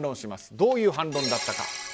どういう反論だったか。